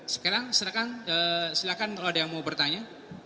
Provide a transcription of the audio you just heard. sekarang silakan kalau ada yang mau bertanya